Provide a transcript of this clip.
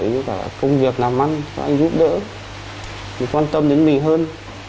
mình quan tâm đến mình hơn